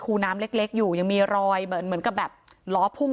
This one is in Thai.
ูน้ำเล็กอยู่ยังมีรอยเหมือนเหมือนกับแบบล้อพุ่ง